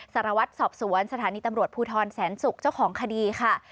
สารวัตรสอบสวนสถานีตำรวจภูทรแสนศุกร์เจ้าของคดีค่ะ